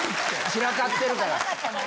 散らかってるから。